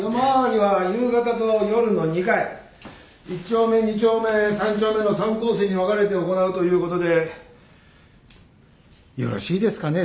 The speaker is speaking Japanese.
１丁目２丁目３丁目の３コースに分かれて行うという事でよろしいですかね？